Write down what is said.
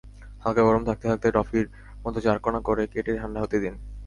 হালকা গরম থাকতে থাকতে টফির মতো চারকোনা করে কেটে ঠান্ডা হতে দিন।